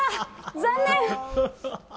残念！